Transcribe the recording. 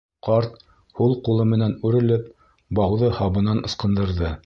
Ҡарт, һул ҡулы менән үрелеп, бауҙы һабынан ысҡындырҙы.